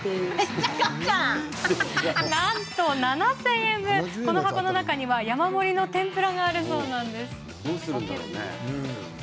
なんと７０００円分この箱の中には山盛りの天ぷらがあるそうなんです。